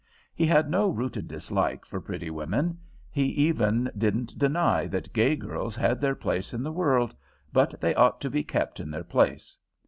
He had no rooted dislike for pretty women; he even didn't deny that gay girls had their place in the world, but they ought to be kept in their place.